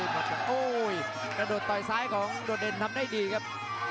โอ้ยกระโดดต่อยซ้ายของโดดเด่นทำได้ดีครับ